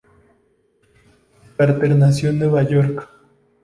Carter nació en Nueva York.